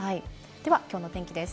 では、きょうの天気です。